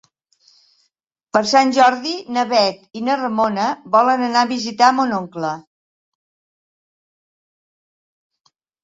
Per Sant Jordi na Bet i na Ramona volen anar a visitar mon oncle.